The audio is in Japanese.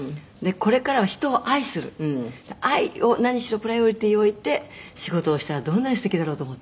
「これからは人を愛する」「愛を何しろプライオリティーを置いて仕事をしたらどんなにすてきだろうと思って」